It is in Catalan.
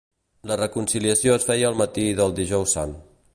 La reconciliació es feia el matí del Dijous Sant.